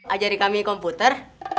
ajari kami komputer